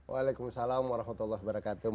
waalaikumsalam warahmatullahi wabarakatuh